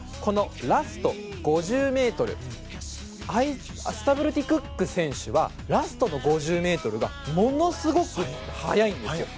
ラスト５０ｍアイザック・スタブルティ・クック選手はラストの５０ｍがものすごく速いんですよ。